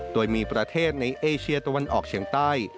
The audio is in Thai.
โดยมีประเทศในเอเชียตะวันออกเฉียงใต้